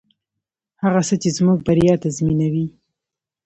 هغه څه چې زموږ بریا تضمینوي.